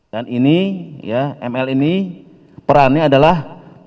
dan ini ml ini perannya adalah menjualnya